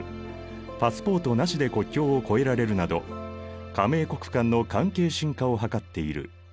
パスポートなしで国境を越えられるなど加盟国間の関係深化を図っている。